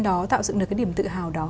đó tạo dựng được cái điểm tự hào đó